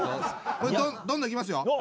どんどんいきますよ。